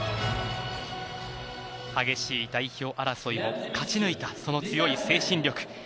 激しい代表争いを勝ち抜いたその強い精神力。